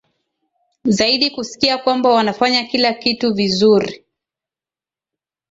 zaidi kusikia kwamba wanafanya kila kitu vizuri